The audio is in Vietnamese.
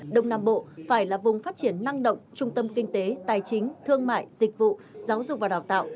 đông nam bộ phải là vùng phát triển năng động trung tâm kinh tế tài chính thương mại dịch vụ giáo dục và đào tạo